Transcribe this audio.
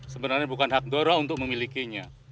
sebenarnya bukan hak doro untuk memilikinya